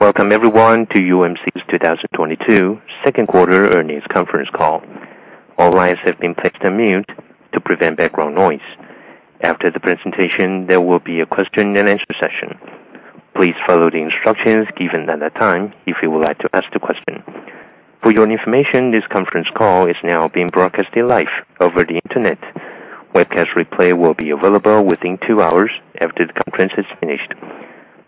Welcome everyone to UMC's 2022 Second Quarter Earnings Conference Call. All lines have been placed on mute to prevent background noise. After the presentation, there will be a question and answer session. Please follow the instructions given at that time if you would like to ask the question. For your information, this conference call is now being broadcasted live over the Internet. Webcast replay will be available within two hours after the conference is finished.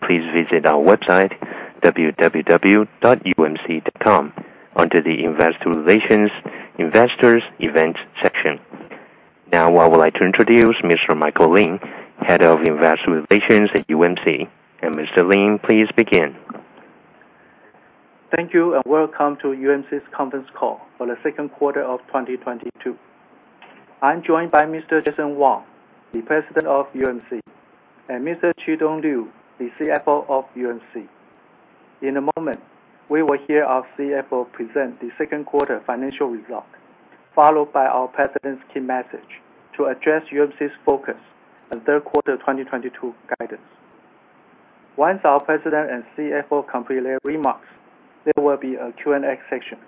Please visit our website www.umc.com under the Investor Relations Investors Event section. Now I would like to introduce Mr. Michael Lin, Head of Investor Relations at UMC. Mr. Lin, please begin. Thank you, and welcome to UMC's conference call for the second quarter of 2022. I'm joined by Mr. Jason Wang, the President of UMC, and Mr. Chi-Tung Liu, the CFO of UMC. In a moment, we will hear our CFO present the second quarter financial results, followed by our president's key message to address UMC's focus on third quarter 2022 guidance. Once our President and CFO complete their remarks, there will be a Q&A session.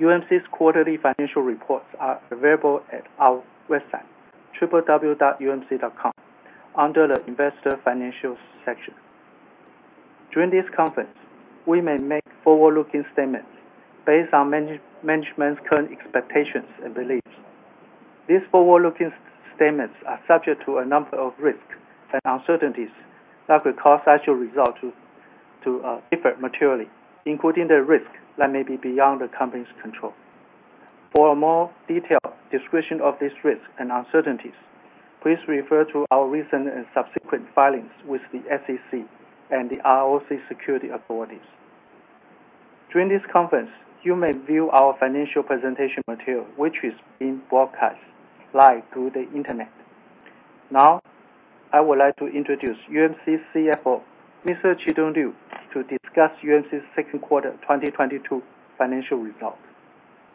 UMC's quarterly financial reports are available at our website www.umc.com under the Investor Financial section. During this conference, we may make forward-looking statements based on management's current expectations and beliefs. These forward-looking statements are subject to a number of risks and uncertainties that could cause actual results to differ materially, including the risk that may be beyond the company's control. For a more detailed description of these risks and uncertainties, please refer to our recent and subsequent filings with the SEC and the ROC securities authorities. During this conference, you may view our financial presentation material, which is being broadcast live through the Internet. Now, I would like to introduce UMC's CFO, Mr. Chi-Tung Liu, to discuss UMC's second quarter 2022 financial results.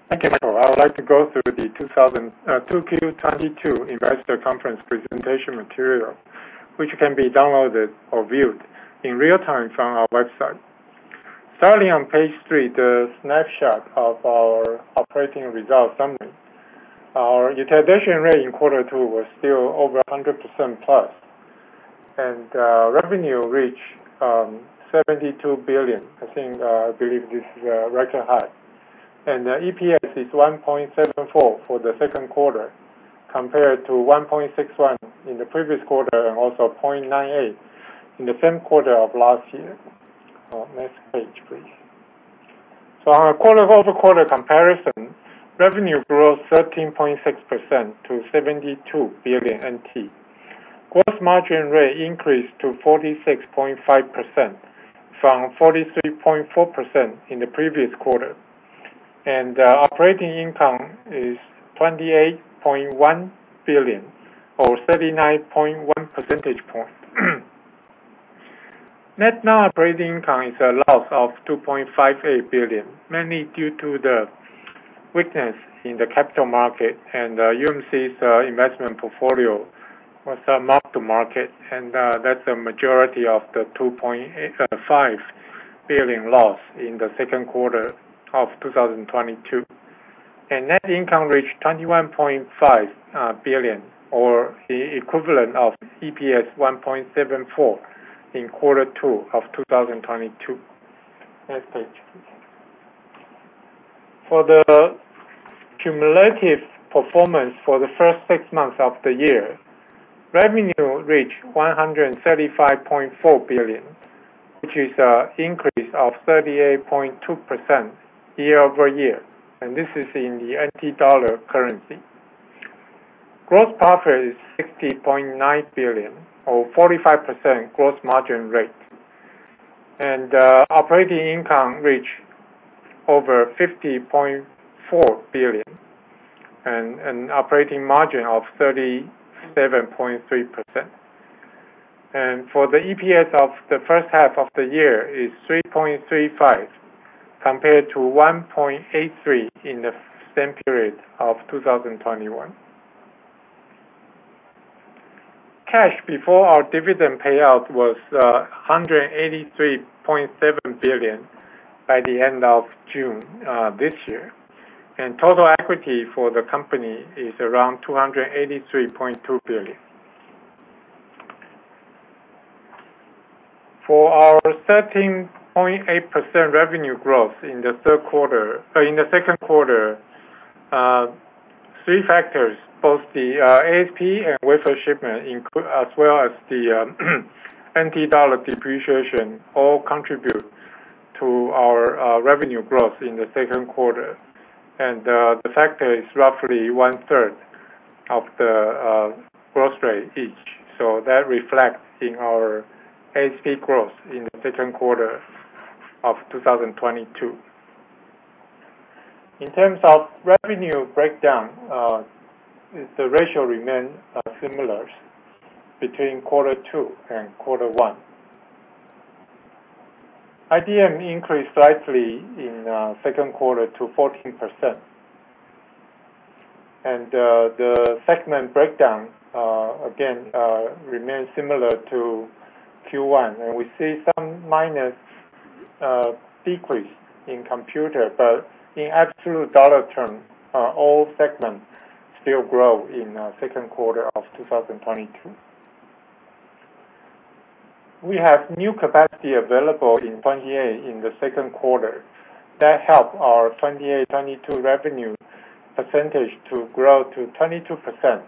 Thank you, Michael. I would like to go through the 2022 Q2 Investor Conference presentation material, which can be downloaded or viewed in real time from our website. Starting on page three, the snapshot of our operating results summary. Our utilization rate in quarter two was still over 100%+. Revenue reached 72 billion. I think, I believe this is a record high. The EPS is 1.74 for the second quarter, compared to 1.61 in the previous quarter and also 0.98 in the same quarter of last year. Next page, please. On a quarter-over-quarter comparison, revenue grew 13.6% to 72 billion NT. Gross margin rate increased to 46.5% from 43.4% in the previous quarter. Operating income is 28.1 billion or 39.1 percentage point. Net non-operating income is a loss of 2.58 billion, mainly due to the weakness in the capital market and UMC's investment portfolio was mark-to-market, and that's a majority of the 2.85 billion loss in the second quarter of 2022. Net income reached 21.5 billion or the equivalent of EPS 1.74 in quarter two of 2022. Next page, please. For the cumulative performance for the first six months of the year, revenue reached 135.4 billion, which is increase of 38.2% year-over-year, and this is in the NT dollar currency. Gross profit is 60.9 billion or 45% gross margin rate. Operating income reached over 50.4 billion and operating margin of 37.3%. For the EPS of the first half of the year is 3.35 compared to 1.83 in the same period of 2021. Cash before our dividend payout was 183.7 billion by the end of June this year. Total equity for the company is around 283.2 billion. For our 13.8% revenue growth in the second quarter, three factors, both the ASP and wafer shipment as well as the NT dollar depreciation all contribute to our revenue growth in the second quarter. The factor is roughly one-third of the growth rate each. That reflects in our ASP growth in the second quarter of 2022. In terms of revenue breakdown, the ratio remains similar between Quarter 2 and Quarter 1. IDM increased slightly in second quarter to 14%. The segment breakdown, again, remains similar to Q1. We see some minor decrease in computer, but in absolute dollar terms, all segments still grow in second quarter of 2022. We have new capacity available in 28 in the second quarter. That helps our 22/28 revenue percentage to grow to 22%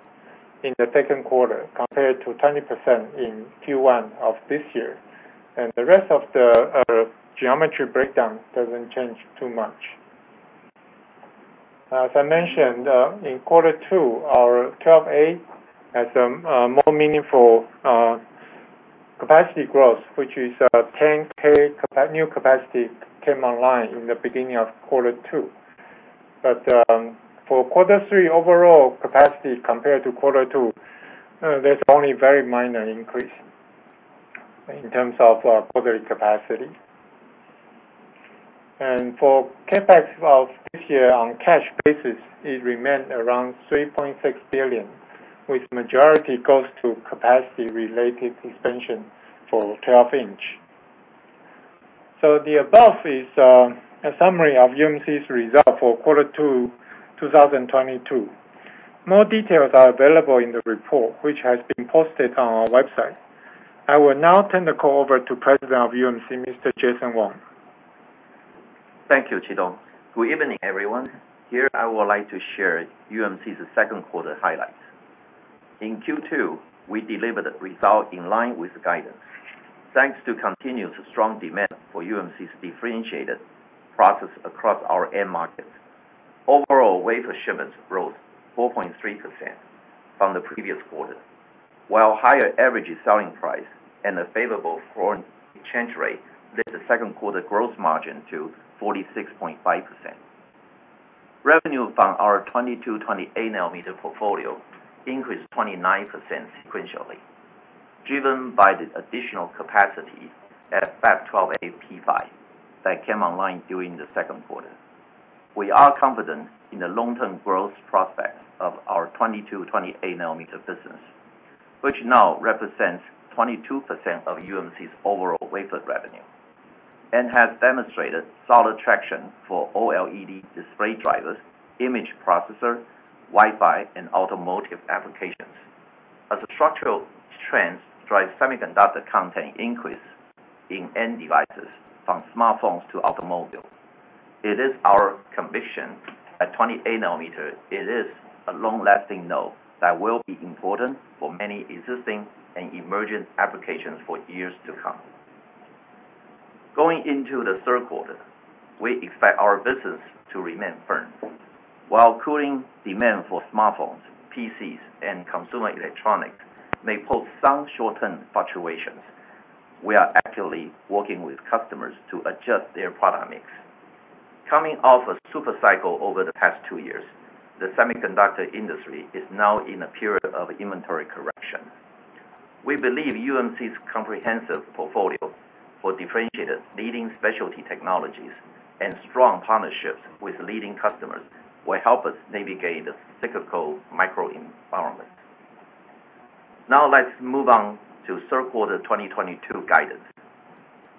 in the second quarter compared to 20% in Q1 of this year. The rest of the geometry breakdown doesn't change too much. As I mentioned, in quarter two, our Fab 12A has a more meaningful capacity growth, which is new capacity came online in the beginning of Quarter 2. For quarter three overall capacity compared to Quarter 2, there's only very minor increase in terms of our quarterly capacity. For CapEx of this year on cash basis, it remained around 3.6 billion, with majority goes to capacity related expansion for 12-inch. The above is a summary of UMC's result for quarter two, 2022. More details are available in the report, which has been posted on our website. I will now turn the call over to President of UMC, Mr. Jason Wang. Thank you, Chi-Tung. Good evening, everyone. Here, I would like to share UMC's second quarter highlights. In Q2, we delivered the result in line with guidance. Thanks to continuous strong demand for UMC's differentiated process across our end markets. Overall, wafer shipments rose 4.3% from the previous quarter. While higher average selling price and a favorable foreign exchange rate led the second quarter gross margin to 46.5%. Revenue from our 22/28-nanometer portfolio increased 29% sequentially, driven by the additional capacity at Fab 12A P5 that came online during the second quarter. We are confident in the long-term growth prospects of our 22/28-nanometer business, which now represents 22% of UMC's overall wafer revenue and has demonstrated solid traction for OLED display drivers, image processor, Wi-Fi and automotive applications. As structural trends drive semiconductor content increase in end devices from smartphones to automobile, it is our conviction that 28-nanometer, it is a long-lasting node that will be important for many existing and emerging applications for years to come. Going into the third quarter, we expect our business to remain firm. While cooling demand for smartphones, PCs and consumer electronics may pose some short-term fluctuations, we are actively working with customers to adjust their product mix. Coming off a super cycle over the past two years, the semiconductor industry is now in a period of inventory correction. We believe UMC's comprehensive portfolio for differentiated leading specialty technologies and strong partnerships with leading customers will help us navigate the cyclical microenvironment. Now let's move on to third quarter 2022 guidance.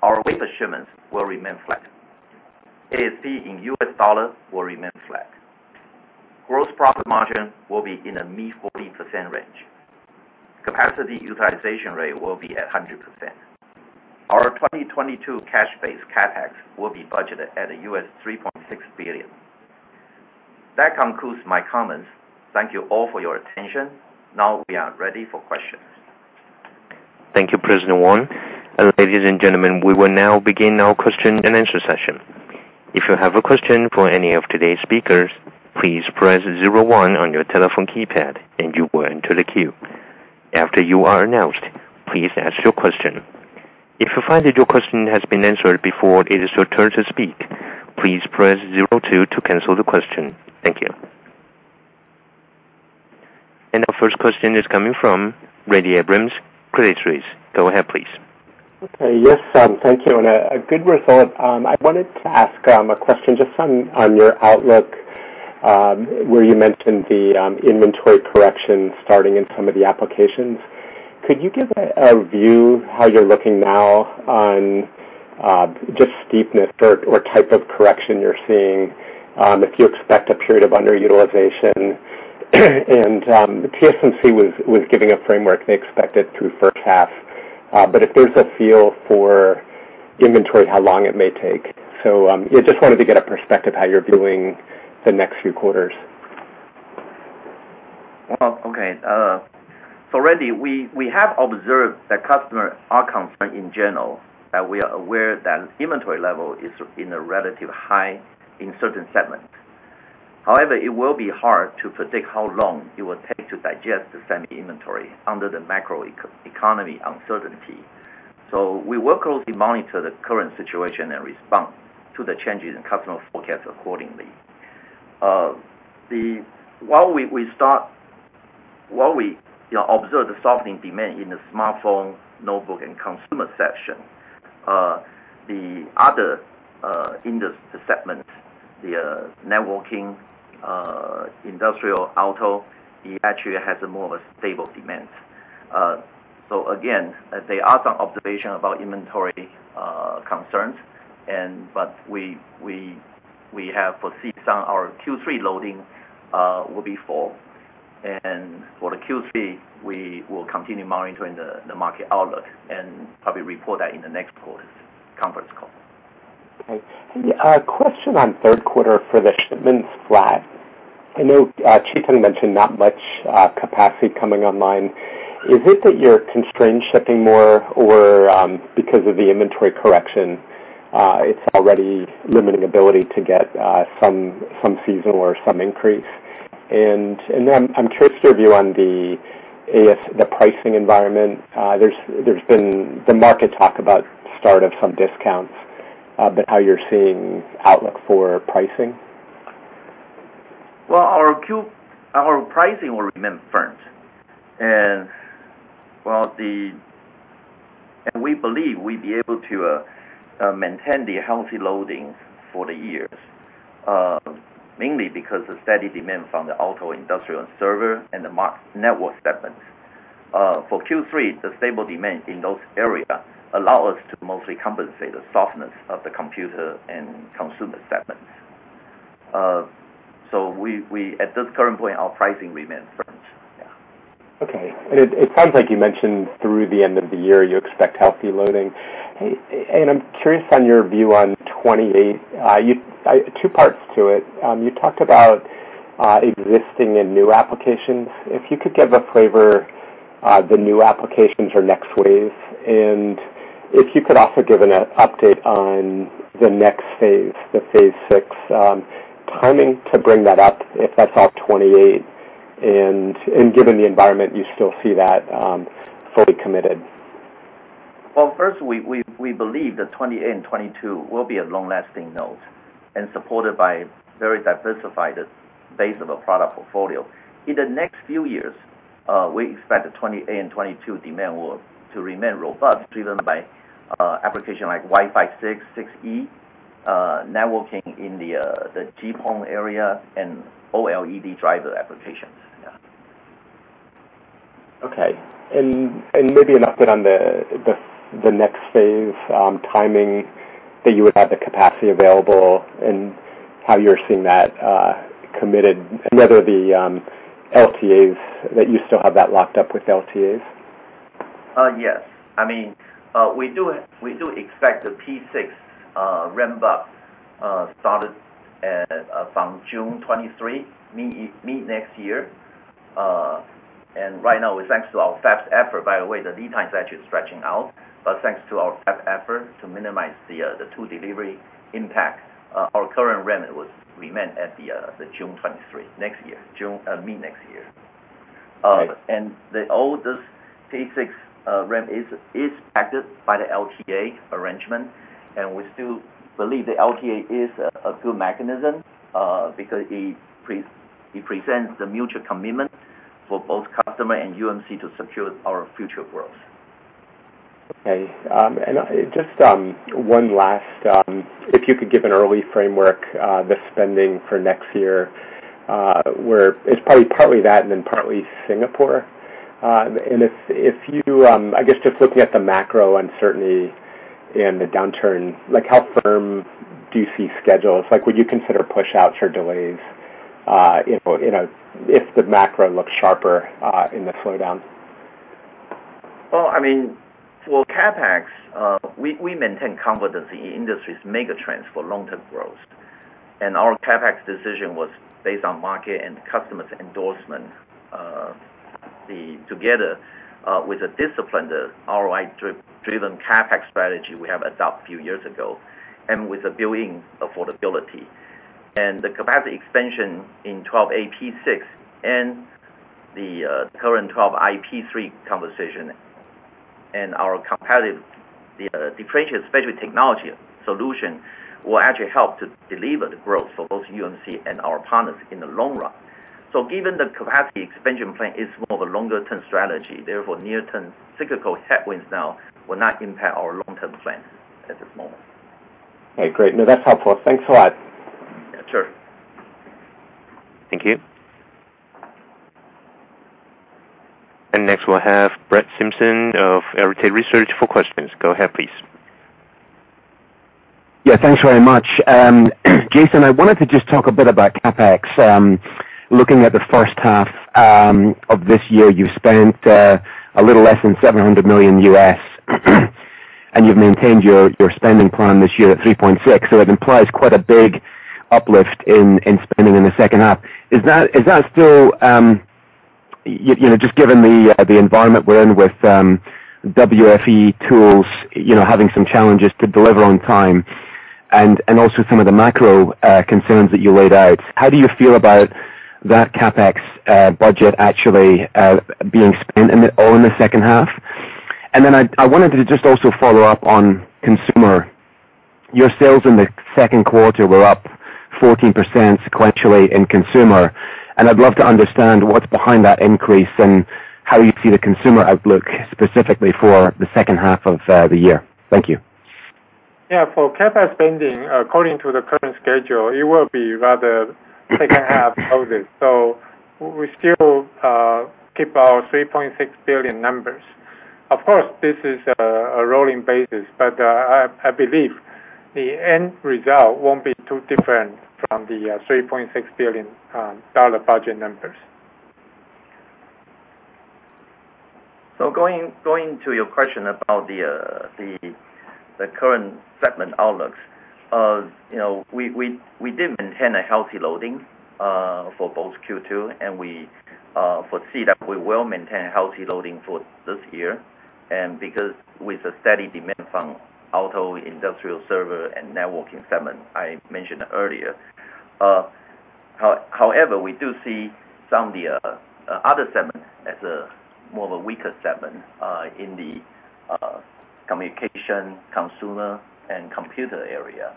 Our wafer shipments will remain flat. ASP in US dollar will remain flat. Gross profit margin will be in the mid-40% range. Capacity utilization rate will be at 100%. Our 2022 cash-based CapEx will be budgeted at $3.6 billion. That concludes my comments. Thank you all for your attention. Now we are ready for questions. Thank you, President Wang. Ladies and gentlemen, we will now begin our question and answer session. If you have a question for any of today's speakers, please press zero one on your telephone keypad and you will enter the queue. After you are announced, please ask your question. If you find that your question has been answered before it is your turn to speak, please press zero two to cancel the question. Thank you. Our first question is coming from Randy Abrams, Credit Suisse. Go ahead, please. Okay. Yes, thank you. A good result. I wanted to ask a question just on your outlook, where you mentioned the inventory correction starting in some of the applications. Could you give a view how you're looking now on just steepness or type of correction you're seeing, if you expect a period of underutilization? TSMC was giving a framework they expect it through first half. But if there's a feel for inventory, how long it may take. Yeah, just wanted to get a perspective how you're viewing the next few quarters. Okay. Randy, we have observed that customers are concerned in general, that we are aware that inventory levels are relatively high in certain segments. However, it will be hard to predict how long it will take to digest the semi inventory under the macroeconomic uncertainty. We will closely monitor the current situation and respond to the changes in customer forecast accordingly. While we observe the softening demand in the smartphone, notebook, and consumer sector, the other industry segment, the networking, industrial, auto, it actually has more of a stable demand. Again, there are some observations about inventory concerns, but we have perceived that our Q3 loading will be full. For the Q3, we will continue monitoring the market outlook and probably report that in the next quarter's conference call. Okay. Question on third quarter for the shipments flat. I know Chi-Tung mentioned not much capacity coming online. Is it that you're constrained shipping more or because of the inventory correction, it's already limiting ability to get some seasonal or some increase? Then I'm curious to your view on the ASP, the pricing environment. There's been the market talk about start of some discounts, but how you're seeing outlook for pricing. Well, our pricing will remain firm. We believe we'll be able to maintain the healthy loading for the years, mainly because the steady demand from the auto, industrial, server and the network segment. For Q3, the stable demand in those area allow us to mostly compensate the softness of the computer and consumer segment. At this current point, our pricing remains firm. Yeah. Okay. It sounds like you mentioned through the end of the year you expect healthy loading. I'm curious on your view on 28. Two parts to it. You talked about existing and new applications. If you could give a flavor, the new applications or next wave, and if you could also give an update on the next phase, the phase six, timing to bring that up if that's all 28. Given the environment, you still see that fully committed. Well, first we believe that '28 and '22 will be a long-lasting node and supported by very diversified base of a product portfolio. In the next few years, we expect the '28 and '22 demand will remain robust, driven by applications like Wi-Fi 6, Wi-Fi 6E, networking in the GPON area and OLED driver applications. Okay. Maybe an update on the next phase, timing that you would have the capacity available and how you're seeing that committed and whether the LTAs that you still have that locked up with LTAs? Yes. I mean, we do expect the P6 ramp-up started at from June 2023, mid-next year. Right now, thanks to our fab's effort, by the way, the lead time is actually stretching out. Thanks to our fab effort to minimize the delivery impact, our current ramp remain at the June 2023, next year, June, mid-next year. Okay. The oldest P6 ramp is backed by the LTA arrangement. We still believe the LTA is a good mechanism because it presents the mutual commitment for both customer and UMC to secure our future growth. Okay. Just one last, if you could give an early framework, the spending for next year, where it's probably partly that and then partly Singapore. If you, I guess, just looking at the macro uncertainty and the downturn, like how firm do you see schedules? Like would you consider push-outs or delays, if the macro looks sharper, in the slowdown? Well, I mean, for CapEx, we maintain confidence in industry's mega trends for long-term growth. Our CapEx decision was based on market and customers' endorsement, together with a disciplined ROI-driven CapEx strategy we have adopted a few years ago and with a built-in affordability. The capacity expansion in 12A P6 and the current 12i P3 construction and our competitive differentiated special technology solution will actually help to deliver the growth for both UMC and our partners in the long run. Given the capacity expansion plan is more of a longer-term strategy, therefore near-term cyclical headwinds now will not impact our long-term plan at this moment. Okay, great. No, that's helpful. Thanks a lot. Yeah, sure. Thank you. Next, we'll have Brett Simpson of Arete Research for questions. Go ahead, please. Yeah, thanks very much. Jason, I wanted to just talk a bit about CapEx. Looking at the first half of this year, you've spent a little less than $700 million, and you've maintained your spending plan this year at $3.6 billion. It implies quite a big uplift in spending in the second half. Is that still just given the environment we're in with WFE tools, having some challenges to deliver on time and also some of the macro concerns that you laid out, how do you feel about that CapEx budget actually being spent all in the second half? I wanted to just also follow up on consumer. Your sales in the second quarter were up 14% sequentially in consumer, and I'd love to understand what's behind that increase and how you see the consumer outlook specifically for the second half of the year. Thank you. Yeah. For CapEx spending, according to the current schedule, it will be rather second half loaded. We still keep our $3.6 billion numbers. Of course, this is a rolling basis, but I believe the end result won't be too different from the $3.6 billion dollar budget numbers. Going to your question about the current segment outlook. We did maintain a healthy loading for both Q2, and we foresee that we will maintain healthy loading for this year, and because with the steady demand from auto, industrial, server, and networking segment I mentioned earlier. However, we do see some of the other segments as more of a weaker segment in the communication, consumer, and computer area.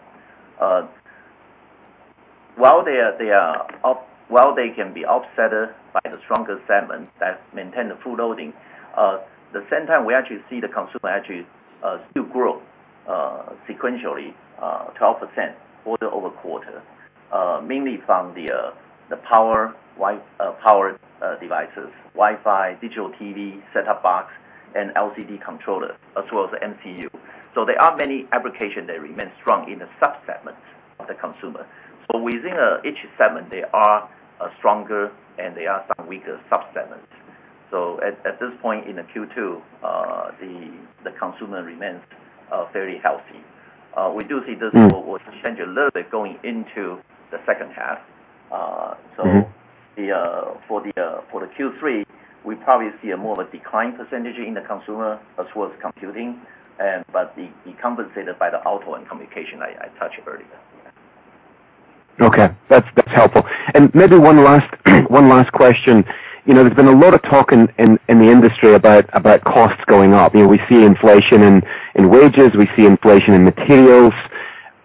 While they can be offset by the stronger segments that maintain the full loading, at the same time we actually see the consumer actually still grow sequentially 12% quarter-over-quarter, mainly from the power devices, Wi-Fi, digital TV, set-top box, and LCD controller, as well as MCU. There are many applications that remain strong in the sub-segments of the consumer. Within each segment, there are stronger and there are some weaker sub-segments. At this point in the Q2, the consumer remains very healthy. We do see this, we will change a little bit going into the second half. For the Q3, we probably see more of a decline percentage in the consumer as well as computing, but be compensated by the auto and communication I touched earlier. Okay. That's helpful. Maybe one last question, there's been a lot of talk in the industry about costs going up, we see inflation in wages, we see inflation in materials.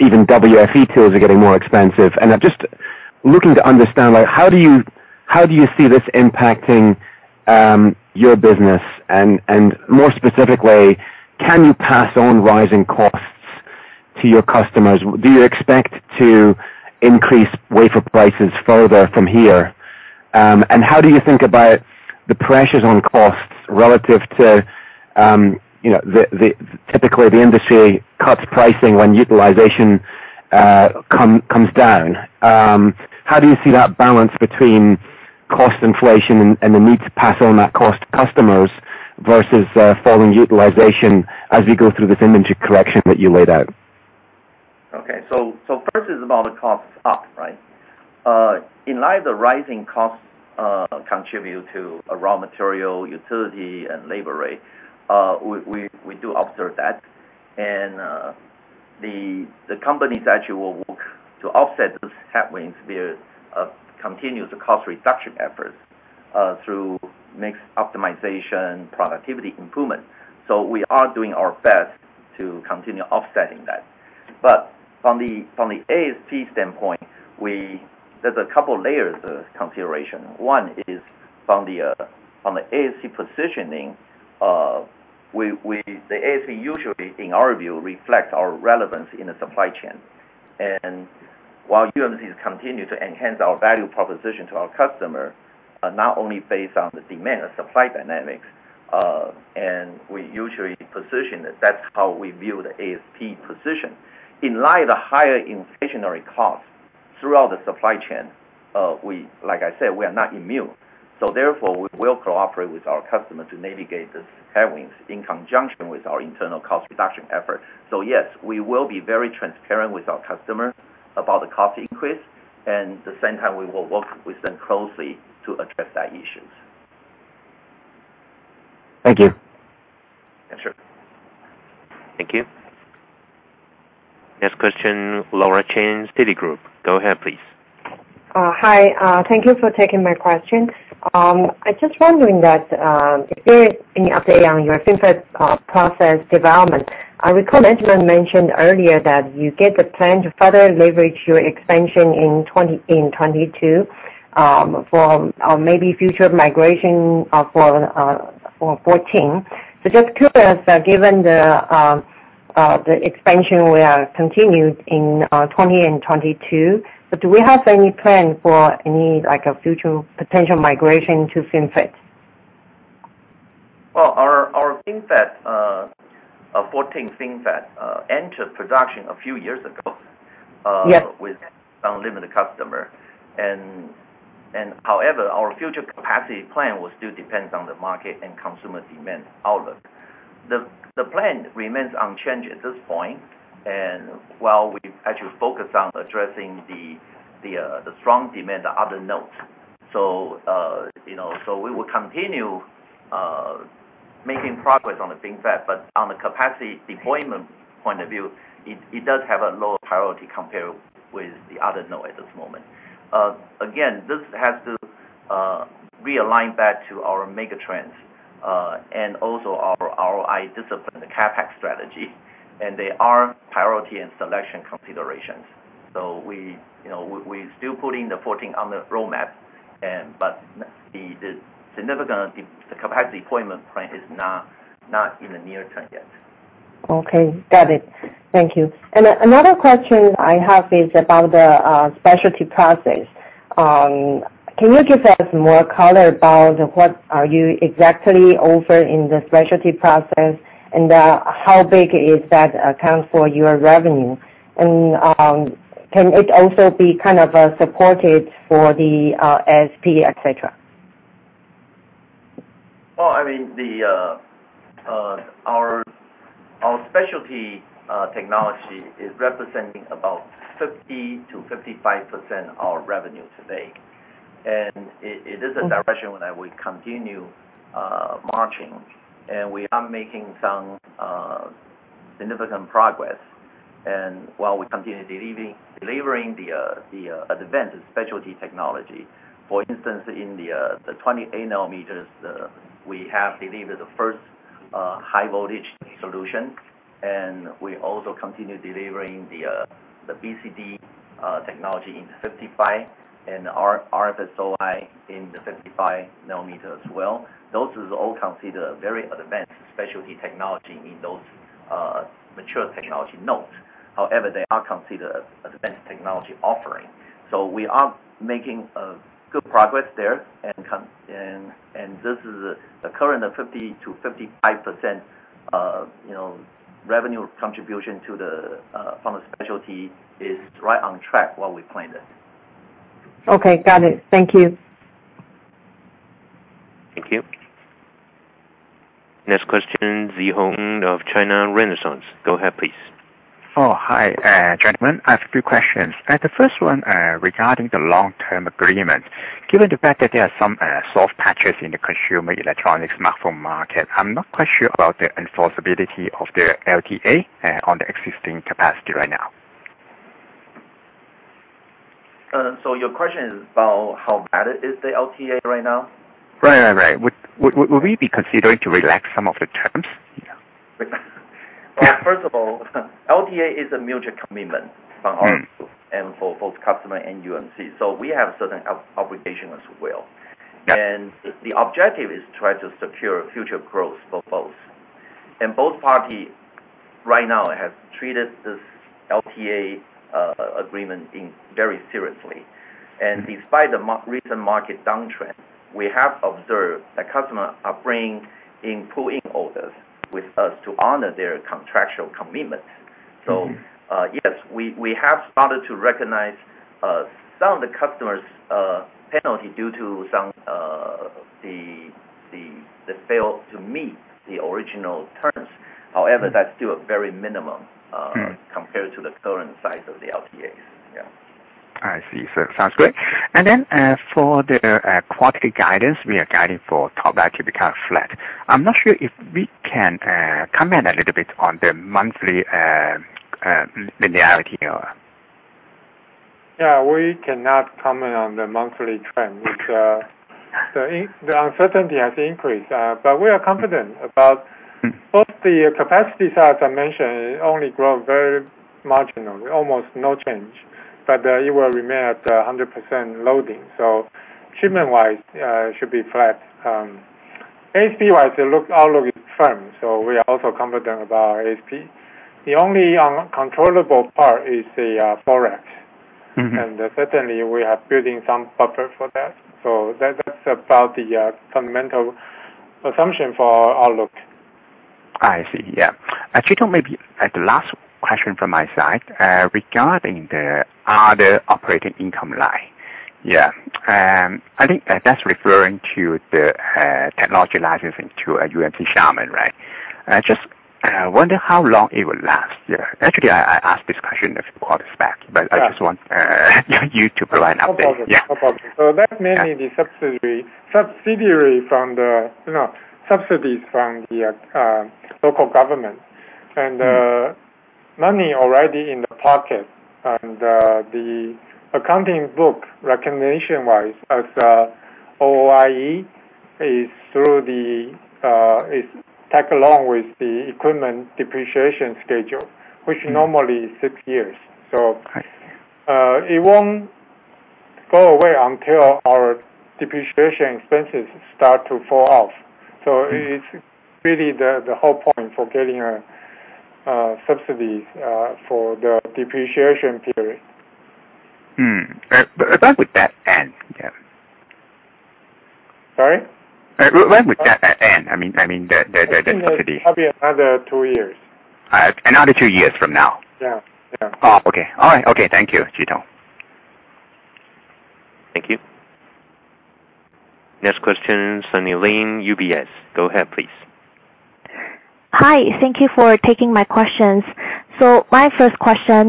Even WFE tools are getting more expensive. I'm just looking to understand, like, how do you see this impacting your business? More specifically, can you pass on rising costs to your customers? Do you expect to increase wafer prices further from here? How do you think about the pressures on costs relative to typically the industry cuts pricing when utilization comes down. How do you see that balance between cost inflation and the need to pass on that cost to customers versus falling utilization as we go through this industry correction that you laid out? Okay. First is about the costs up, right? In light of the rising costs due to raw material, utility, and labor rate, we do observe that. The company actually will work to offset those headwinds via continuous cost reduction efforts through mix optimization, productivity improvement. We are doing our best to continue offsetting that. From the ASP standpoint, there's a couple layers of consideration. One is from the ASP positioning, the ASP usually, in our view, reflect our relevance in the supply chain. While UMC has continued to enhance our value proposition to our customer, not only based on the demand or supply dynamics, and we usually position it, that's how we view the ASP position. In light of the higher inflationary costs throughout the supply chain, we are not immune. Therefore, we will cooperate with our customer to navigate these headwinds in conjunction with our internal cost reduction effort. Yes, we will be very transparent with our customer about the cost increase, and at the same time, we will work with them closely to address those issues. Thank you. Sure. Thank you. Next question, Laura Chen, Citigroup. Go ahead, please. Hi. Thank you for taking my question. I just wondering that, if there is any update on your FinFET process development. I recall Edmund mentioned earlier that you get the plan to further leverage your expansion in 2022, or maybe future migration, for 14. So just curious, given the expansion will continue in 2020 and 2022, but do we have any plan for any, like, a future potential migration to FinFET? Well, our 14 FinFET entered production a few years ago. Yes. with some limited customer. However, our future capacity plan will still depends on the market and consumer demand outlook. The plan remains unchanged at this point, and while we actually focus on addressing the strong demand, the other nodes. So we will continue making progress on the FinFET, but on the capacity deployment point of view, it does have a lower priority compared with the other node at this moment. Again, this has to realign back to our mega trends, and also our discipline, the CapEx strategy, and they are priority and selection considerations. We still putting the 14 on the roadmap and but the significant the capacity deployment plan is not in the near term yet. Okay. Got it. Thank you. Another question I have is about the specialty process. Can you give us more color about what are you exactly offer in the specialty process, and how big is that account for your revenue? Can it also be kind of supported for the SP, et cetera? I mean, our specialty technology is representing about 50%-55% our revenue today. It is a direction that we continue marching, and we are making some significant progress. While we continue delivering the advanced specialty technology, for instance, in the 28-nanometer, we have delivered the first high voltage solution, and we also continue delivering the BCD technology in the 55 and our RFSOI in the 55-nanometer as well. Those is all considered very advanced specialty technology in those mature technology nodes. However, they are considered as advanced technology offering. We are making good progress there and this is the current 50%-55% revenue contribution from the specialty is right on track while we planned it. Okay, got it. Thank you. Thank you. Next question, [Zhihong] of China Renaissance. Go ahead, please. Oh, hi, gentlemen. I have two questions. The first one, regarding the long-term agreement, given the fact that there are some soft patches in the consumer electronics smartphone market, I'm not quite sure about the enforceability of the LTA on the existing capacity right now. Your question is about how bad is the LTA right now? Right. Would we be considering to relax some of the terms? Yeah. First of all, LTA is a mutual commitment from our end for both customer and UMC, so we have certain obligation as well. Yeah. The objective is to try to secure future growth for both. Both parties right now have treated this LTA agreement very seriously. Despite the recent market downtrend, we have observed that customers are bringing in pull-in orders with us to honor their contractual commitment. Yes, we have started to recognize some of the customers' penalty due to some of the failure to meet the original terms. However, that's still a very minimal compared to the current size of the LTAs. Yeah. I see. It sounds great. For the quantity guidance, we are guiding for top line to become flat. I'm not sure if we can comment a little bit on the monthly linearity or. Yeah, we cannot comment on the monthly trend, which the uncertainty has increased. We are confident about both the capacity side, as I mentioned, only grow very marginal, almost no change. It will remain at 100% loading. Shipment-wise, should be flat. ASP-wise, all look firm, so we are also confident about our ASP. The only controllable part is the Forex. Certainly, we are building some buffer for that. That's about the fundamental assumption for our outlook. I see. Yeah. Actually, maybe the last question from my side, regarding the other operating income line. Yeah. I think that that's referring to the technology licensing to UMC Xiamen, right? I just wonder how long it will last. Yeah. Actually, I asked this question a few quarters back, but I just want you to provide an update. No problem. Yeah. No problem. That's mainly the subsidy from the subsidies from the local government. Money already in the pocket and the accounting recognition-wise as OIE is tagged along with the equipment depreciation schedule, which normally is six years. It won't go away until our depreciation expenses start to fall off. It's really the whole point for getting a subsidy for the depreciation period. When would that end, Kevin? Sorry? When would that end? I mean the subsidy. I think it will be another two years. Another two years from now? Yeah. Yeah. Oh, okay. All right. Okay. Thank you, Jason Wang. Thank you. Next question, Sunny Lin, UBS. Go ahead, please. Hi. Thank you for taking my questions. My first question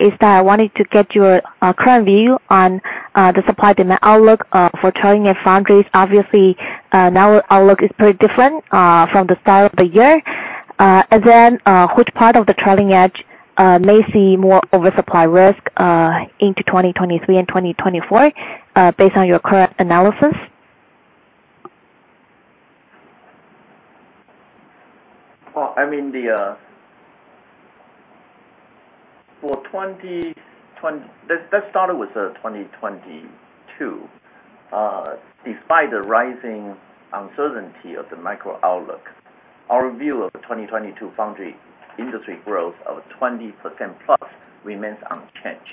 is that I wanted to get your current view on the supply-demand outlook for trailing-edge foundries. Obviously, now our outlook is pretty different from the start of the year. Which part of the trailing edge may see more oversupply risk into 2023 and 2024 based on your current analysis? Well, I mean, let's start with 2022. Despite the rising uncertainty of the macro outlook, our view of the 2022 foundry industry growth of 20% plus remains unchanged.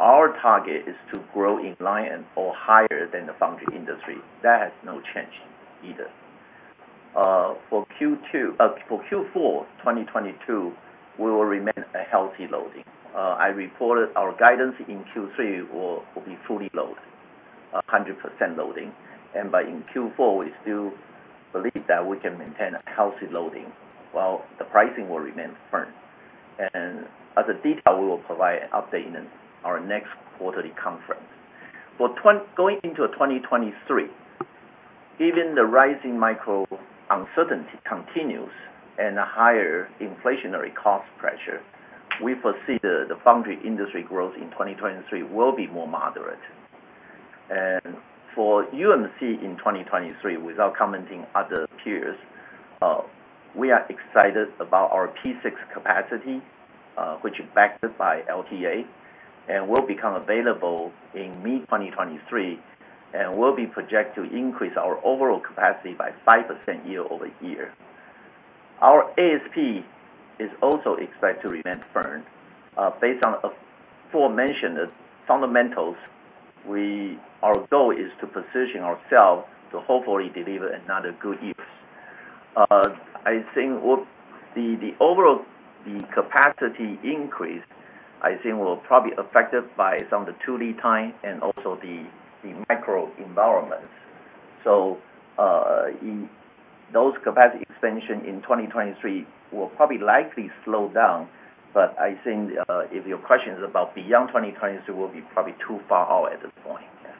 Our target is to grow in line or higher than the foundry industry. That has no change either. For Q4 2022, we will remain a healthy loading. I reported our guidance in Q3 will be fully loaded, 100% loading. But in Q4, we will still believe that we can maintain a healthy loading while the pricing will remain firm. As a detail, we will provide an update in our next quarterly conference. Going into 2023, even the rising macro uncertainty continues and a higher inflationary cost pressure, we foresee the foundry industry growth in 2023 will be more moderate. For UMC in 2023, without commenting other peers, we are excited about our P6 capacity, which is backed by LTA and will become available in mid-2023, and will be projected to increase our overall capacity by 5% year-over-year. Our ASP is also expected to remain firm. Based on aforementioned fundamentals, our goal is to position ourselves to hopefully deliver another good year. I think the overall capacity increase will probably be affected by some of the lead time and also the macro environment. In those capacity expansion in 2023 will probably likely slow down. I think, if your question is about beyond 2023, will be probably too far out at this point. Yeah.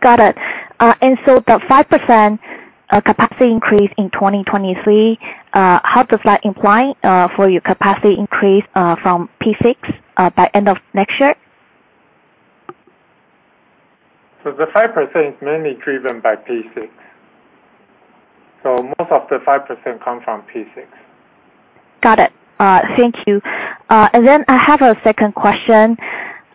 Got it. The 5% capacity increase in 2023, how does that imply for your capacity increase from P6 by end of next year? The 5% is mainly driven by P6. Most of the 5% come from P6. Got it. Thank you. I have a second question.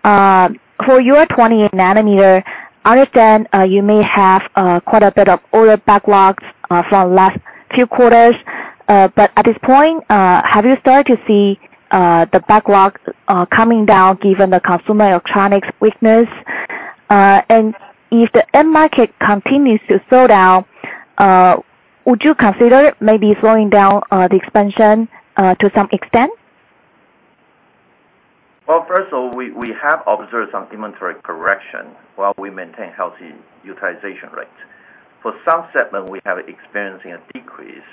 For your 20-nanometer, I understand you may have quite a bit of order backlogs from last few quarters. At this point, have you started to see the backlogs coming down given the consumer electronics weakness? If the end market continues to slow down, would you consider maybe slowing down the expansion to some extent? Well, first of all, we have observed some inventory correction while we maintain healthy utilization rate. For some segment, we are experiencing a decrease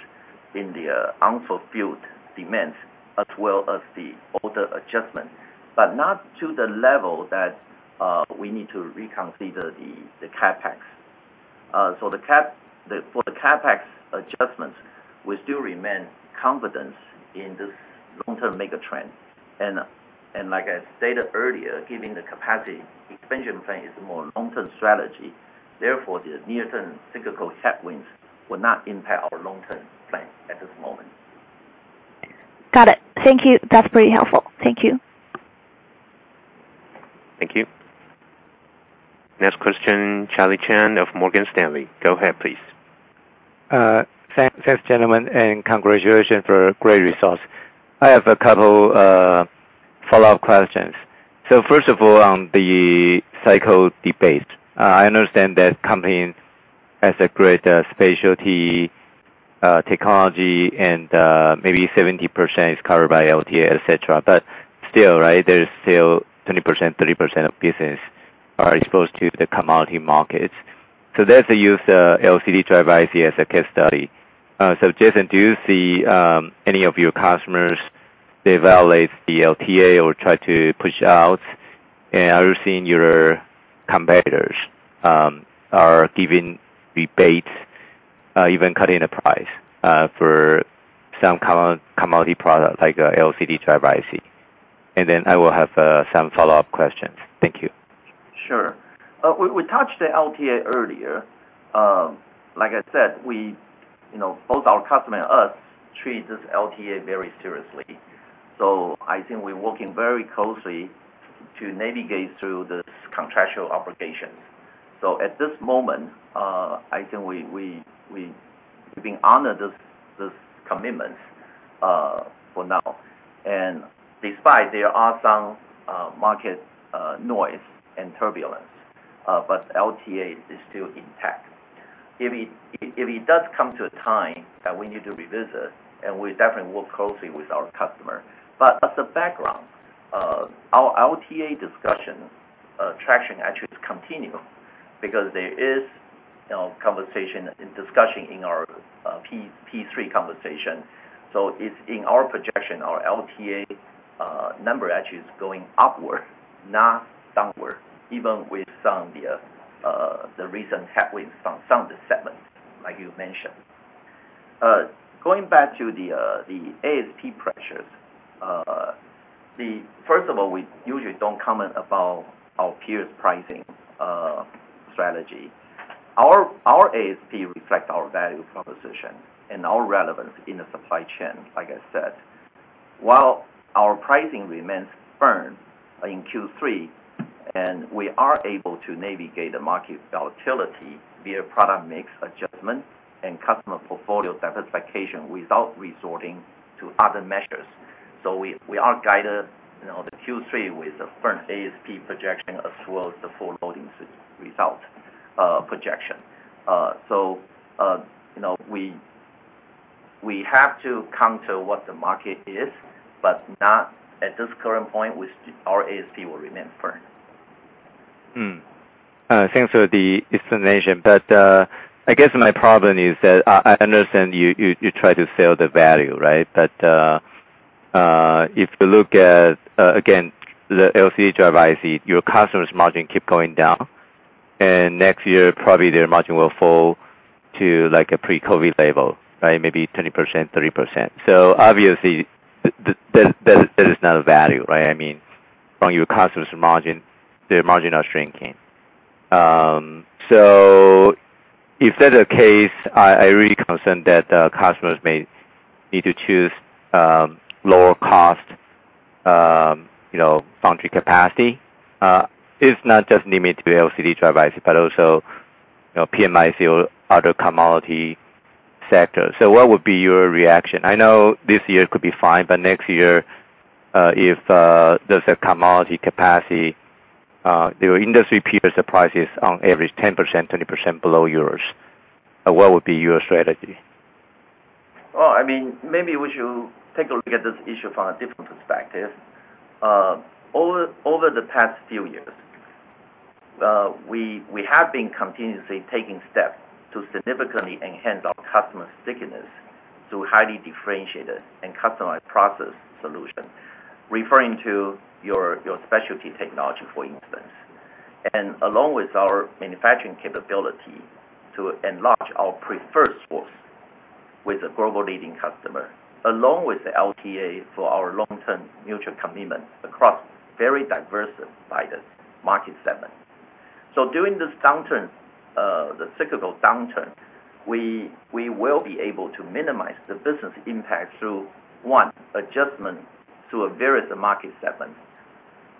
in the unfulfilled demand as well as the order adjustment, but not to the level that we need to reconsider the CapEx. For the CapEx adjustments, we still remain confident in this long-term mega trend. Like I stated earlier, given the capacity expansion plan is more long-term strategy, therefore, the near-term cyclical headwinds will not impact our long-term plan at this moment. Got it. Thank you. That's pretty helpful. Thank you. Thank you. Next question, Charlie Chan of Morgan Stanley. Go ahead, please. Thanks, gentlemen, and congratulations for great results. I have a couple follow-up questions. First of all, on the cycle debates, I understand that company has a great specialty technology and maybe 70% is covered by LTA, et cetera. Still, right, there is still 20%, 30% of business are exposed to the commodity markets. Let's use LCD driver IC as a case study. Jason, do you see any of your customers invalidate the LTA or try to push out? And are you seeing your competitors are giving rebates, even cutting the price, for some commodity product like LCD driver IC? Then I will have some follow-up questions. Thank you. Sure. We touched the LTA earlier. Like I said both our customer and us treat this LTA very seriously. I think we're working very closely to navigate through this contractual obligations. At this moment, I think we've honored this commitment for now. Despite there are some market noise and turbulence, but LTA is still intact. If it does come to a time that we need to revisit, and we definitely work closely with our customer. As a background, our LTA discussion traction actually is continuing because there is conversation and discussion in our P3 conversation. It's in our projection, our LTA number actually is going upward, not downward, even with some of the recent headwinds from some of the segments, like you mentioned. Going back to the ASP pressures. First of all, we usually don't comment about our peers' pricing strategy. Our ASP reflect our value proposition and our relevance in the supply chain, like I said. While our pricing remains firm in Q3, and we are able to navigate the market volatility via product mix adjustment and customer portfolio diversification without resorting to other measures. We are guiding the Q3 with a firm ASP projection as well as the full loading result projection. We have to counter what the market is, but not at this current point, our ASP will remain firm. Thanks for the explanation. I guess my problem is that I understand you try to sell the value, right? If you look at again, the LCD driver IC, your customers margin keep going down. Next year, probably their margin will fall to like a pre-COVID level, right? Maybe 20%-30%. Obviously that is not a value, right? From your customers margin, their margin are shrinking. If that's the case, I really concerned that customers may need to choose lower cost foundry capacity. It's not just limited to LCD driver IC, but also PMIC or other commodity sectors. What would be your reaction? I know this year could be fine, but next year, if there's a commodity capacity, your industry peer prices on average 10%, 20% below yours, what would be your strategy? I mean, maybe we should take a look at this issue from a different perspective. Over the past few years, we have been continuously taking steps to significantly enhance our customer stickiness through highly differentiated and customized process solution, referring to your specialty technology, for instance. Along with our manufacturing capability to enlarge our preferred source with a global leading customer, along with the LTA for our long-term mutual commitment across very diversified market segment. During this downturn, the cyclical downturn, we will be able to minimize the business impact through one adjustment to various market segment.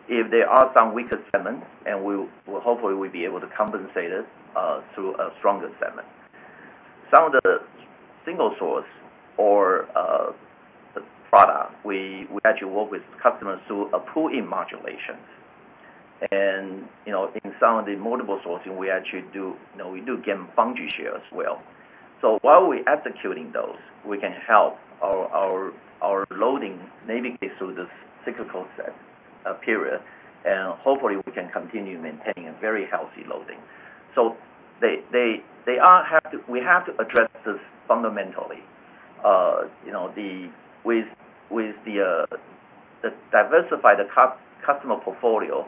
If there are some weaker segments, we'll hopefully be able to compensate it through a stronger segment. Some of the single source or the product, we actually work with customers through a pull-in modulation. In some of the multiple sourcing, we do gain foundry share as well. While we're executing those, we can help our loading navigate through this cyclical period, and hopefully we can continue maintaining a very healthy loading. We have to address this fundamentally, with the diversification of the customer portfolio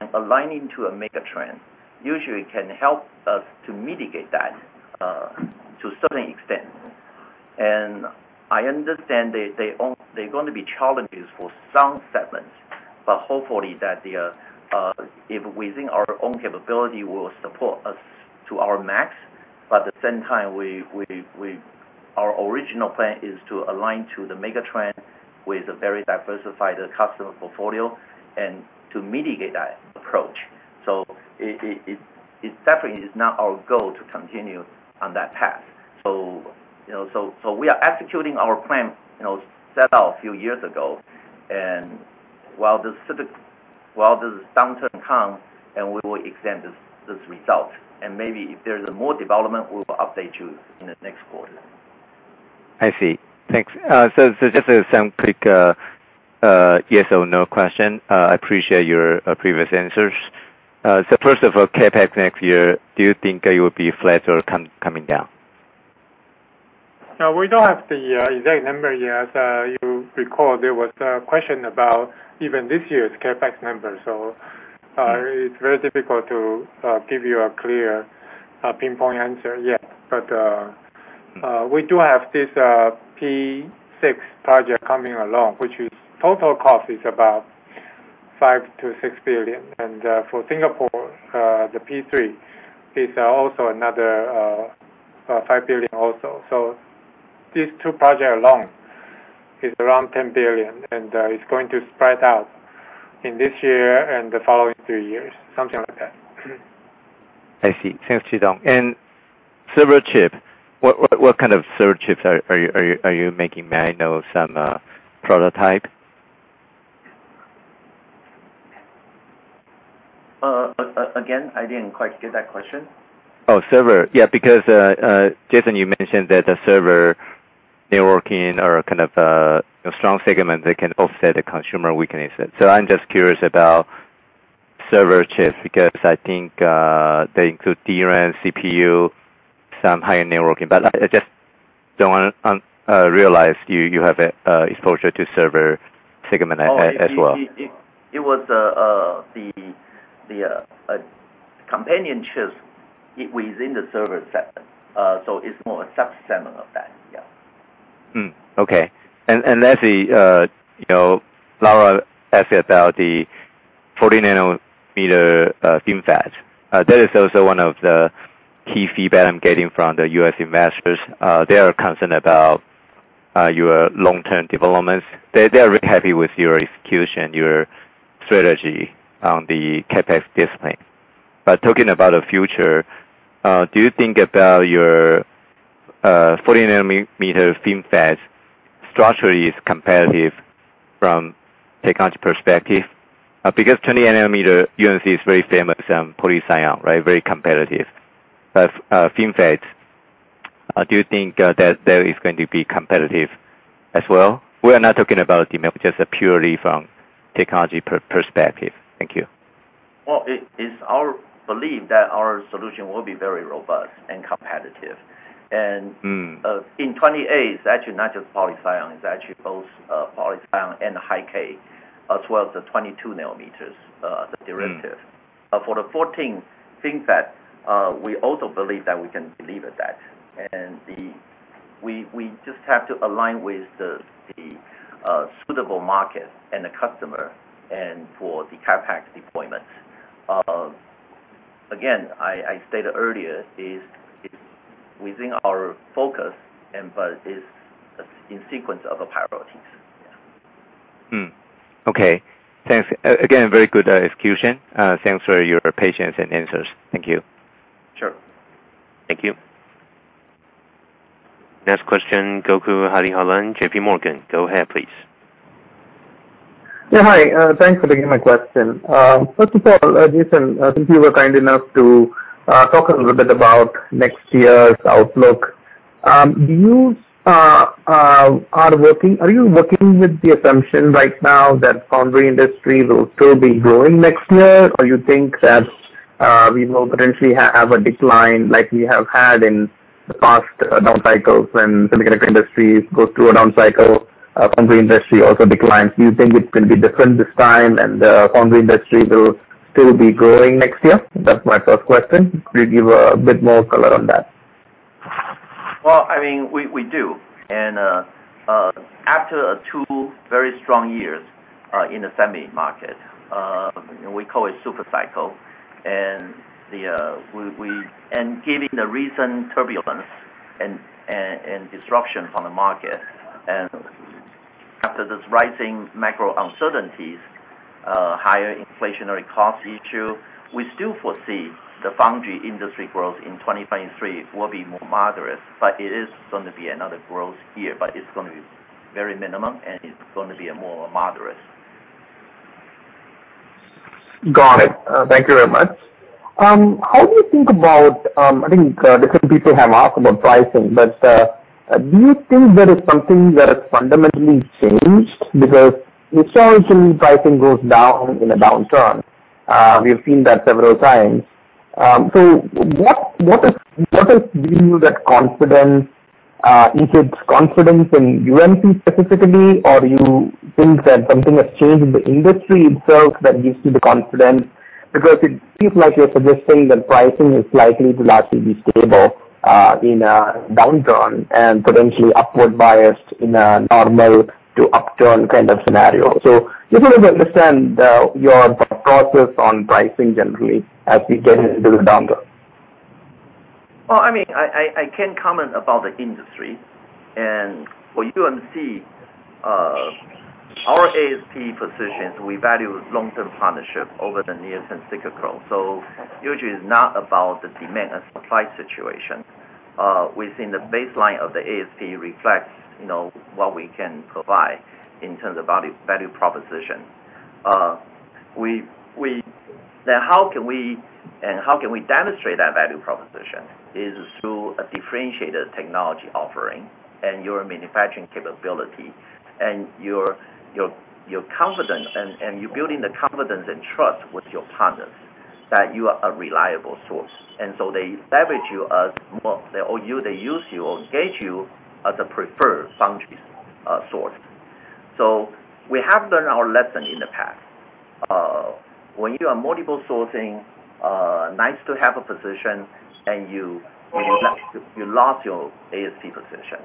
and aligning to a mega trend, usually can help us to mitigate that to a certain extent. I understand that there're gonna be challenges for some segments, but hopefully, if we think our own capability will support us to our max, but at the same time, our original plan is to align to the megatrend with a very diversified customer portfolio and to mitigate that approach. It definitely is not our goal to continue on that path. So we are executing our plan set out a few years ago. While this downturn come, and we will examine this result. Maybe if there's more development, we will update you in the next quarter. I see. Thanks. Just some quick yes or no question. I appreciate your previous answers. First of all, CapEx next year, do you think it will be flat or coming down? We don't have the exact number yet. You recall there was a question about even this year's CapEx number. It's very difficult to give you a clear pinpoint answer yet. We do have this P6 project coming along, which total cost is about 5 billion-6 billion. For Singapore, the P3 is also another 5 billion also. These two projects alone is around 10 billion, and it's going to spread out in this year and the following three years, something like that. I see. Thanks, Chi-Tung. Server chip, what kind of server chips are you making? May I know some prototype? Again, I didn't quite get that question. Oh, server. Yeah, because Jason, you mentioned that the server networking are kind of a strong segment that can offset the consumer weakness. I'm just curious about server chips, because I think they include DRAM, CPU, some high networking. But I just don't realize you have a exposure to server segment as well. It was the companion chips within the server segment. It's more a sub-segment of that. Yeah. Lastly Laura asked about the 40-nanometer FinFET. That is also one of the key feedback I'm getting from the U.S. investors. They are concerned about your long-term developments. They are very happy with your execution, your strategy on the CapEx discipline. Talking about the future, do you think your 40-nanometer FinFET structurally is competitive from a technology perspective? Because 20-nanometer UMC is very famous in poly/SiON, right, very competitive. FinFET, do you think that is going to be competitive as well? We're not talking about demand, but just purely from a technology perspective. Thank you. Well, it is our belief that our solution will be very robust and competitive. In 28, it's actually not just poly/SiON, it's actually both poly/SiON and high-k, as well as the 22 nanometers, the derivative. For the 14nm FinFET, we also believe that we can deliver that. We just have to align with the suitable market and the customer and for the CapEx deployment. Again, I stated earlier, it is within our focus, but it is in sequence of priorities. Okay. Thanks. Again, very good execution. Thanks for your patience and answers. Thank you. Sure. Thank you. Next question, Gokul Hariharan, J.P. Morgan. Go ahead, please. Yeah, hi. Thanks for taking my question. First of all, Jason, since you were kind enough to talk a little bit about next year's outlook, are you working with the assumption right now that foundry industry will still be growing next year? Or you think that we will potentially have a decline like we have had in the past down cycles when semiconductor industries go through a down cycle, foundry industry also declines. Do you think it's gonna be different this time and the foundry industry will still be growing next year? That's my first question. Could you give a bit more color on that? Well, I mean, we do. After two very strong years in the semi market, we call it super cycle. Given the recent turbulence and disruption from the market, and after this rising macro uncertainties, higher inflationary cost issue, we still foresee the foundry industry growth in 2023 will be more moderate, but it is going to be another growth year, but it's going to be very minimal, and it's going to be a more moderate. Got it. Thank you very much. How do you think about, I think, different people have asked about pricing, but, do you think there is something that has fundamentally changed? Because historically, pricing goes down in a downturn. We have seen that several times. What is giving you that confidence? Is it confidence in UMC specifically, or do you think that something has changed in the industry itself that gives you the confidence? Because it seems like you're suggesting that pricing is likely to largely be stable in a downturn and potentially upward biased in a normal to upturn kind of scenario. Just want to understand your process on pricing generally as we get into the downturn. Well, I mean, I can't comment about the industry. For UMC, our ASP position, we value long-term partnership over the near-term cycle growth. Usually it's not about the demand and supply situation. Within the baseline of the ASP reflects what we can provide in terms of value proposition. How can we demonstrate that value proposition is through a differentiated technology offering and your manufacturing capability and your confidence and you building the confidence and trust with your partners that you are a reliable source. They leverage you more, or they use you or engage you as a preferred foundry source. We have learned our lesson in the past. When you are multiple sourcing, it's nice to have a position and you lost your ASP position.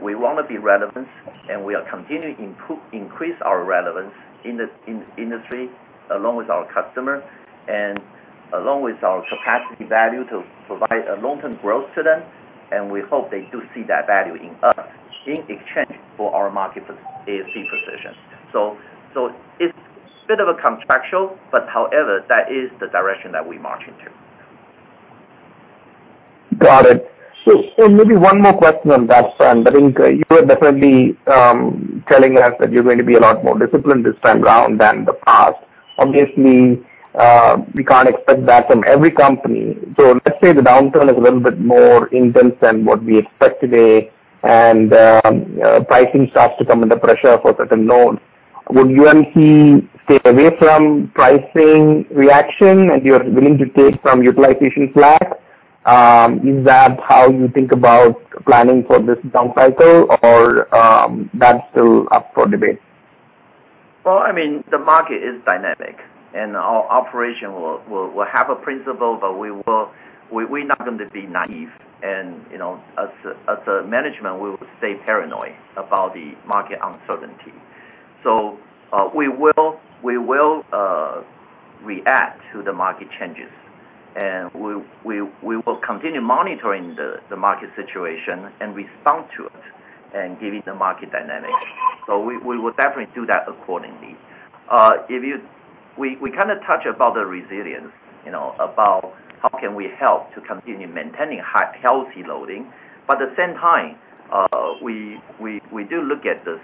We want to be relevant and we are continuing to increase our relevance in the industry along with our customer and along with our capacity value to provide long-term growth to them. We hope they do see that value in us in exchange for our ASP position. It's a bit of a contractual, but however, that is the direction that we're marching to. Got it. Maybe one more question on that front. I think you are definitely telling us that you're going to be a lot more disciplined this time around than the past. Obviously, we can't expect that from every company. Let's say the downturn is a little bit more intense than what we expect today. Pricing starts to come under pressure for certain nodes. Would UMC stay away from pricing reaction, and you're willing to take some utilization slack? Is that how you think about planning for this down cycle or, that's still up for debate? Well, I mean, the market is dynamic, and our operation will have a principle, but we will. We're not gonna be naive. As a management, we will stay paranoid about the market uncertainty. We will react to the market changes. We will continue monitoring the market situation and respond to it and giving the market dynamic. We will definitely do that accordingly. We kinda touch about the resilience about how can we help to continue maintaining high, healthy loading. At the same time, we do look at this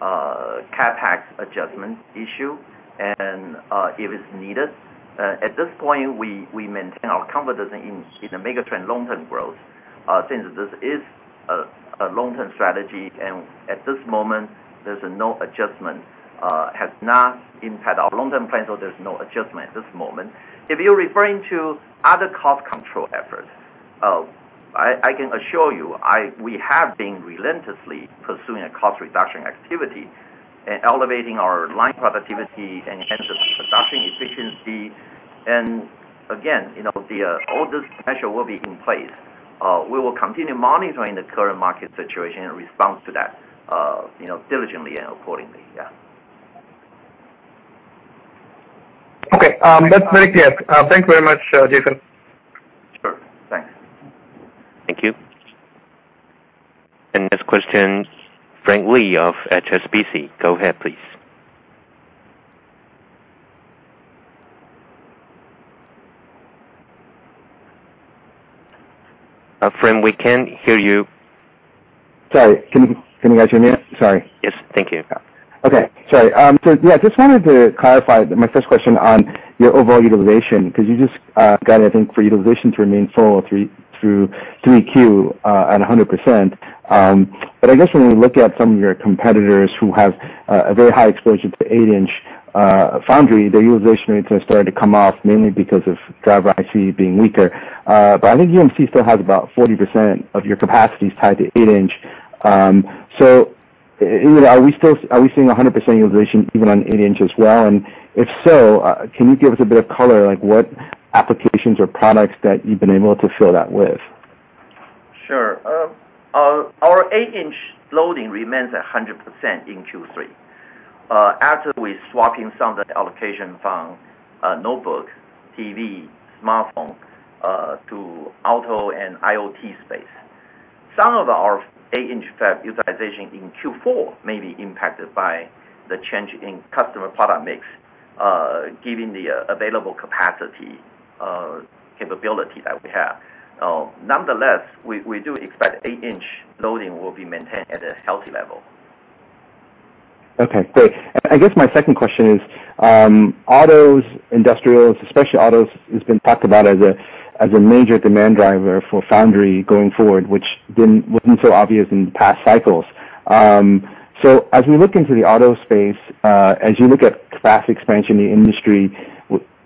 CapEx adjustment issue and, if it's needed. At this point, we maintain our comfort as in the mega trend long-term growth, since this is a long-term strategy, and at this moment, there's no adjustment has not impact our long-term plan, so there's no adjustment at this moment. If you're referring to other cost control efforts, I can assure you, we have been relentlessly pursuing a cost reduction activity and elevating our line productivity and production efficiency. Again, all this measure will be in place. We will continue monitoring the current market situation in response to that diligently and accordingly. Yeah. Okay. That's very clear. Thank you very much, Jason. Sure. Thanks. Thank you. Next question, Frank Lee of HSBC. Go ahead, please. Frank, we can't hear you. Sorry. Can you guys hear me? Sorry. Yes. Thank you. Okay. Sorry. Yeah, just wanted to clarify my first question on your overall utilization, because you just guided, I think, for utilization to remain full through 3Q at 100%. I guess when we look at some of your competitors who have a very high exposure to the eight-inch foundry, their utilization rates have started to come off mainly because of driver IC being weaker. I think UMC still has about 40% of your capacity tied to eight-inch. Are we still seeing 100% utilization even on eight-inch as well? And if so, can you give us a bit of color, like what applications or products that you've been able to fill that with? Sure. Our eight-inch loading remains at 100% in Q3. After we swap in some of the allocation from notebook, TV, smartphone, to auto and IoT space. Some of our eight-inch fab utilization in Q4 may be impacted by the change in customer product mix, given the available capacity, capability that we have. Nonetheless, we do expect eight-inch loading will be maintained at a healthy level. Okay, great. I guess my second question is, autos, industrials, especially autos, has been talked about as a major demand driver for foundry going forward, which wasn't so obvious in past cycles. As we look into the auto space, as you look at fast expansion in the industry,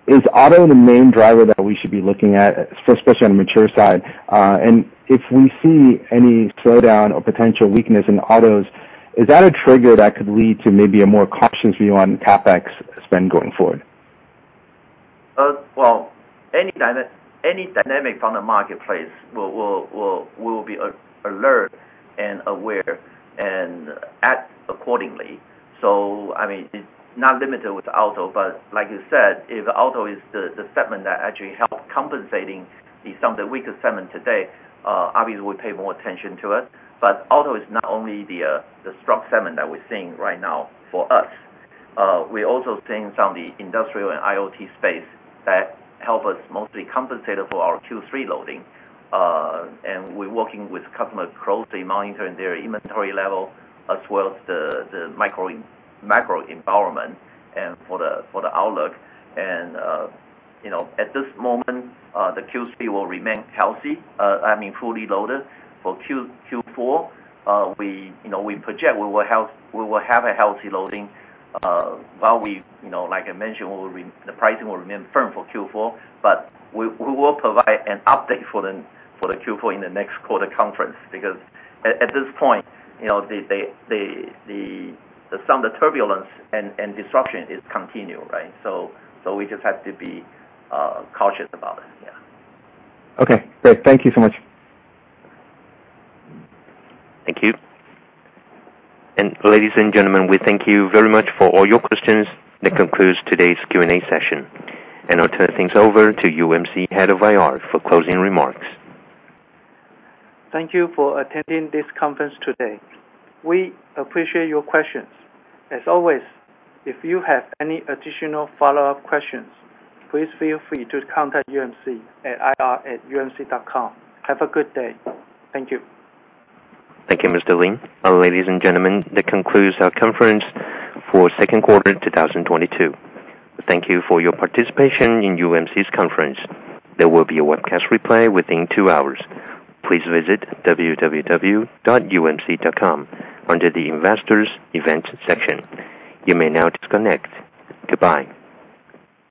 is auto the main driver that we should be looking at, especially on the mature side? If we see any slowdown or potential weakness in autos, is that a trigger that could lead to maybe a more cautious view on CapEx spend going forward? Well, any dynamic from the marketplace, we'll be alert and aware and act accordingly. I mean, it's not limited with auto, but like you said, if auto is the segment that actually help compensating some of the weaker segment today, obviously we pay more attention to it. Auto is not only the strong segment that we're seeing right now for us. We're also seeing some of the industrial and IoT space that help us mostly compensate for our Q3 loading. We're working with customers closely monitoring their inventory level, as well as the micro and macro environment for the outlook, at this moment, the Q3 will remain healthy, I mean, fully loaded. For Q4, we project we will have a healthy loading, while the pricing will remain firm for Q4. But we will provide an update for the Q4 in the next quarter conference, because at this point, some of the turbulence and disruption is continued, right? We just have to be cautious about it. Okay. Great. Thank you so much. Thank you. Ladies and gentlemen, we thank you very much for all your questions. That concludes today's Q&A session. I'll turn things over to UMC head of IR for closing remarks. Thank you for attending this conference today. We appreciate your questions. As always, if you have any additional follow-up questions, please feel free to contact UMC at ir@umc.com. Have a good day. Thank you. Thank you, Michael Lin. Ladies and gentlemen, that concludes our conference for second quarter 2022. Thank you for your participation in UMC's conference. There will be a webcast replay within two hours. Please visit www.umc.com under the Investors Events section. You may now disconnect. Goodbye.